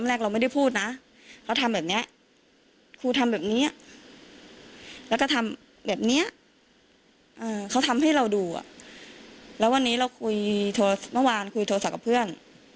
แล้ววันนี้เราคุยโทรศัพท์เมื่อวานคุยโทรศัพท์กับเพื่อน